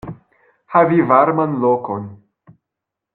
Havi varman lokon.